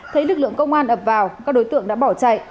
thấy lực lượng công an ập vào các đối tượng đã bỏ chạy